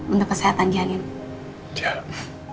untuk kesehatan janine